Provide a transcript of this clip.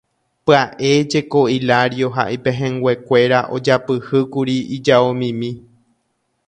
Pya'e jeko Hilario ha ipehẽnguekuéra ojapyhýkuri ijaomimi.